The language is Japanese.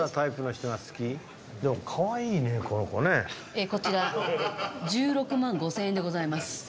えーこちら１６万５０００円でございます。